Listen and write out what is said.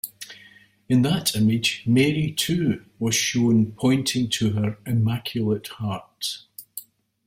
In that image, Mary too was shown pointing to her "Immaculate Heart".